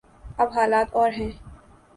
اب حالات اور ہیں۔